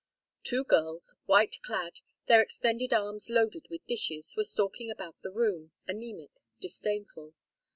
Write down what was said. Two girls, white clad, their extended arms loaded with dishes, were stalking about the room, anæmic, disdainful.